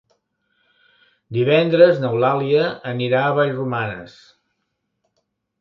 Divendres n'Eulàlia anirà a Vallromanes.